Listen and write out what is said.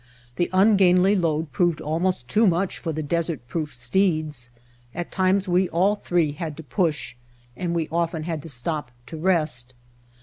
The ungainly load proved almost too much for the desert proof steeds. At times we all three had to push, and we often had to stop to rest.